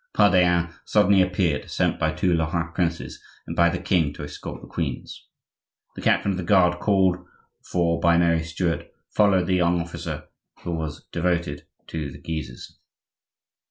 Pardaillan suddenly appeared, sent by the two Lorrain princes and by the king to escort the queens. The captain of the guard called for by Mary Stuart followed the young officer, who was devoted to the Guises.